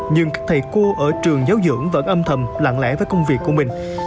nhưng các thầy cô ở trường giáo dưỡng vẫn âm thầm lặng lẽ với công việc của mình